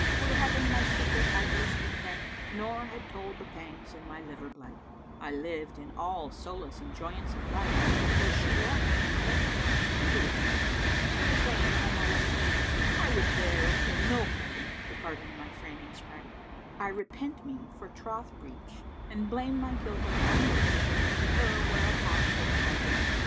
Would Heaven my secret I erst had kept * Nor had told the pangs and my liver blight: I lived in all solace and joyance of life * Till she left and left me in piteous plight: O Zayn al Mawasif, I would there were * No parting departing my frame and sprite: I repent me for troth breach and blame my guilt * Of unruth to her whereon hopes I built."